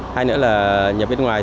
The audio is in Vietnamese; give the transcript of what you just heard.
hay nữa là nhập bên ngoài